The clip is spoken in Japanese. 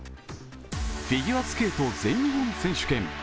フィギュアスケート全日本選手権。